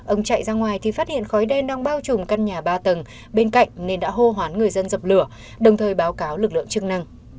ông chạy ra ngoài thì phát hiện khói đen đang bao trùm căn nhà ba tầng bên cạnh nên đã hô hoán người dân dập lửa đồng thời báo cáo lực lượng chức năng